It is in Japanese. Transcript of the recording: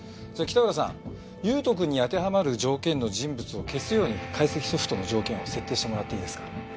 北浦さん悠斗くんに当てはまる条件の人物を消すように解析ソフトの条件を設定してもらっていいですか。